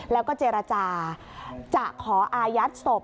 แล้วก็เจรจาจะขออายัดศพ